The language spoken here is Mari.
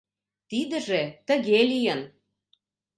Тидыже тыге лийын.